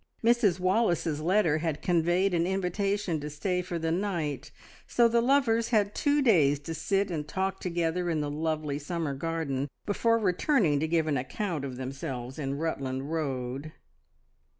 Mrs Wallace's letter had conveyed an invitation to stay for the night, so the lovers had two days to sit and talk together in the lovely summer garden before returning to give an account of themselves in Rutland Road.